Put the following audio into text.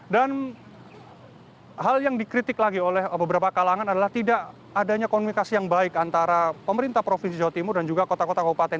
dan hal yang dikritik lagi oleh beberapa kalangan adalah tidak adanya komunikasi yang baik antara pemerintah provinsi jawa timur dan juga kota kota kabupaten